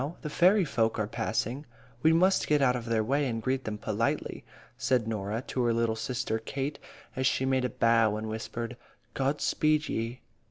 The fairy folk are passing along. We must get out of their way, and greet them politely," said Norah to her little sister Kate, as she made a bow, and whispered, "God speed ye."